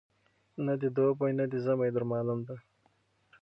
نه دي دوبی نه دي ژمی در معلوم دی